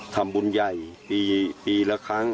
ทำบุญใหญ่ปีละครั้ง